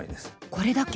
これだけ？